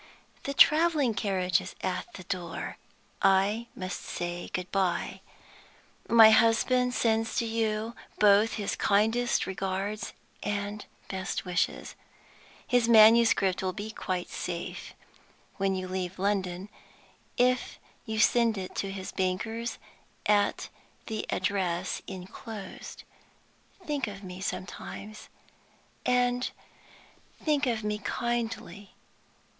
"The traveling carriage is at the door: I must say good by. My husband sends to you both his kindest regards and best wishes. His manuscript will be quite safe (when you leave London) if you send it to his bankers, at the address inclosed. Think of me sometimes and think of me kindly.